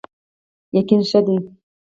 یقین ښه دی.